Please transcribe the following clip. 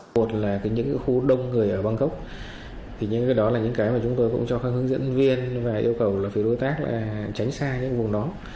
một là những khu đông người ở bangkok thì những cái đó là những cái mà chúng tôi cũng cho các hướng dẫn viên và yêu cầu là phía đối tác tránh xa những vùng đó